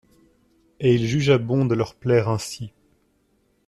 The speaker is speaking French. Et il jugea bon de leur plaire ainsi.